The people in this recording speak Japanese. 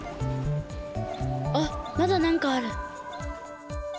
あっまだなんかある。